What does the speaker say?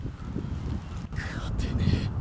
勝てねえ